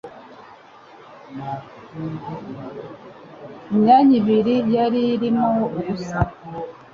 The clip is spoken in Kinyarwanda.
Imyanya ibiri yari irimo ubusa.